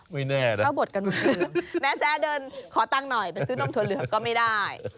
แม่แซะจะไปซื้ออะไรดีนะฮะขอตังหน่อยก็ซื้อนมตัวเหลืองก็ไม่ได้